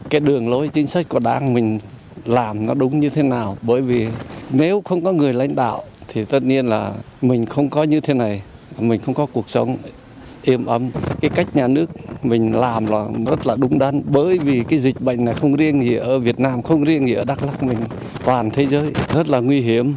không riêng gì ở việt nam không riêng gì ở đắk lắc mình toàn thế giới rất là nguy hiểm